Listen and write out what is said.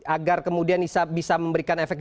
agar kemudian bisa memberikan efek